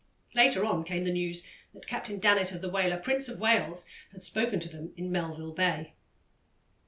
Later on came the news that Captain Dannett, of the whaler Prince of Wales, had spoken to them in Melville Bay.